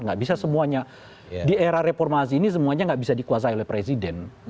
nggak bisa semuanya di era reformasi ini semuanya nggak bisa dikuasai oleh presiden